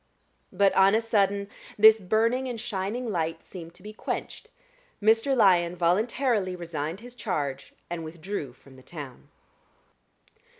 But on a sudden this burning and shining light seemed to be quenched: Mr. Lyon voluntarily resigned his charge and withdrew from the town.